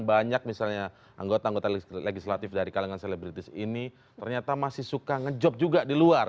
banyak misalnya anggota anggota legislatif dari kalangan selebritis ini ternyata masih suka ngejob juga di luar